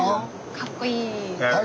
かっこいい。